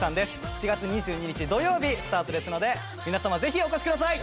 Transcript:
７月２２日土曜日スタートですので皆様ぜひお越しください！